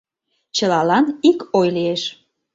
Чылалан ик ой лиеш: